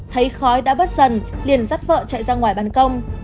thấy khói đã bớt dần liền dắt vợ chạy ra ngoài bàn công